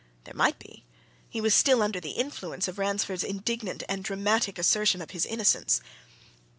There might be he was still under the influence of Ransford's indignant and dramatic assertion of his innocence.